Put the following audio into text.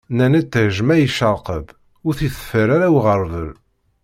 Nnan iṭij ma icreq-d, ur t-iteffer ara uɣerbal.